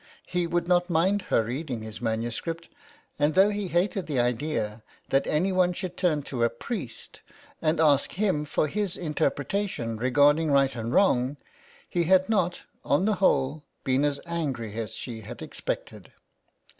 He would not mind her reading his manu script, and though he hated the idea that anyone should turn to a priest and ask him for his interpre tation regarding right and wrong, he had not, on the whole, been as angry as she had expected.